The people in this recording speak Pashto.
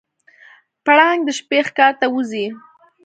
پړانګ د شپې ښکار ته وځي.